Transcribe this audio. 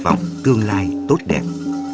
vọng tương lai tốt đẹp